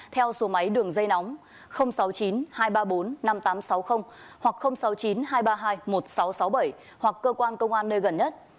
theo số máy đường dây nóng sáu mươi chín hai trăm ba mươi bốn năm nghìn tám trăm sáu mươi hoặc sáu mươi chín hai trăm ba mươi hai một nghìn sáu trăm sáu mươi bảy hoặc cơ quan công an nơi gần nhất